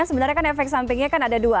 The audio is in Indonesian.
sebenarnya efek sampingnya ada dua